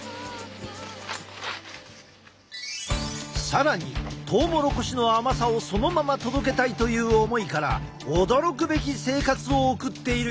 更にトウモロコシの甘さをそのまま届けたいという思いから驚くべき生活を送っている人もいる！